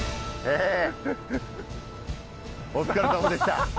お疲れさまでした。